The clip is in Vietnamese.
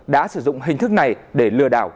đã sử dụng hình thức này để lừa đảo